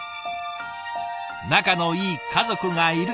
仲のいい家族がいる。